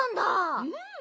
うん。